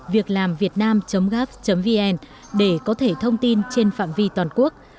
việclamvietnam gap vn để có thể thông tin trên phạm vi toàn quốc